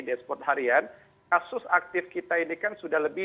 dashboard harian kasus aktif kita ini kan sudah lebih